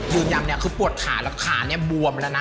ยืนยำคือปวดขาและขานี่บวมแล้วนะ